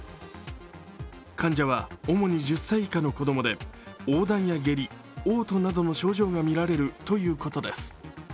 患者は主に１０歳以下の子供でおうだんや下痢、おう吐などの症状が見られるということです。